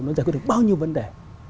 nó giải quyết được bao nhiêu vấn đề